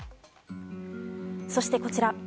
そして、こちら。